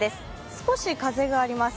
少し風があります。